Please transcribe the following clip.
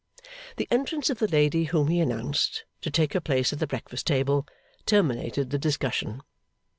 The entrance of the lady whom he announced, to take her place at the breakfast table, terminated the discussion.